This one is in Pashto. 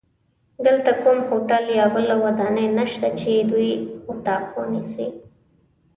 دلته کوم هوټل یا بله ودانۍ نشته چې دوی اتاق ونیسي.